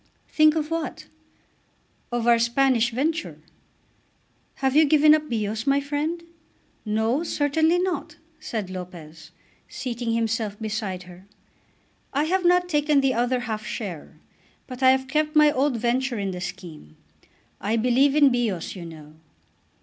"Think of what?" "Of our Spanish venture." "Have you given up Bios, my friend?" "No; certainly not," said Lopez, seating himself beside her. "I have not taken the other half share, but I have kept my old venture in the scheme. I believe in Bios, you know."